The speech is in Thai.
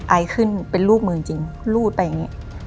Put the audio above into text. ไอขึ้นเป็นลูกมือจริงรูดไปอย่างนี้